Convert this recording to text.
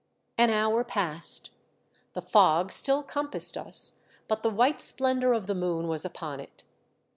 An hour passed ; the fog still compassed us, but the white splendour of the moon was upon it.